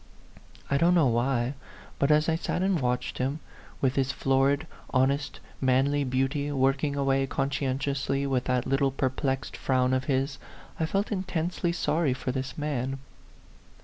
I don't know why, but as I sat and watched him, with his florid, honest, manly beauty, working away conscientiously, with that little perplexed frown of his, I felt intensely sorry for this man.